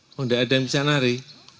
oh enggak ada yang bisa nari